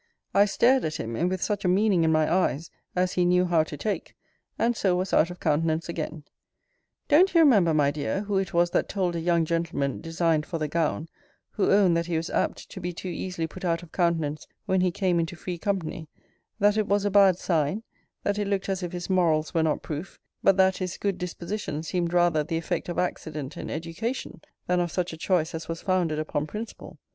I stared at him, and with such a meaning in my eyes, as he knew how to take; and so was out of countenance again. Don't you remember, my dear, who it was that told a young gentleman designed for the gown, who owned that he was apt to be too easily put out of countenance when he came into free company, 'That it was a bad sign; that it looked as if his morals were not proof; but that his good disposition seemed rather the effect of accident and education, than of such a choice as was founded upon principle?'